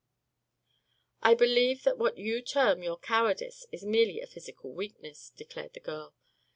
"I believe that what you term your cowardice is merely a physical weakness," declared the girl.